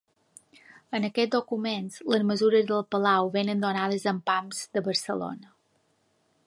En aquests documents les mesures del palau vénen donades amb pams de Barcelona.